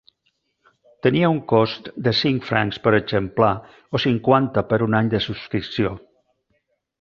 Tenia un cost de cinc francs per exemplar o cinquanta per un any de subscripció.